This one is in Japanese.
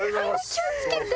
気を付けて。